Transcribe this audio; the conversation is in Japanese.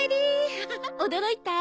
アハハッ驚いた？